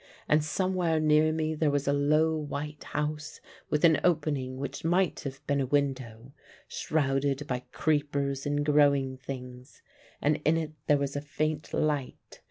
And somewhere near me there was a low white house with an opening which might have been a window, shrouded by creepers and growing things. And in it there was a faint light.